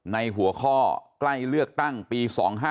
ในหัวข้อใกล้เลือกตั้งปี๒๕๖